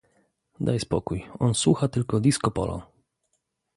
Daj spokój, on słucha tylko disco polo.